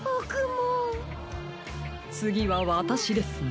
つぎはわたしですね。